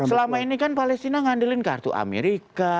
selama ini kan palestina ngandelin kartu amerika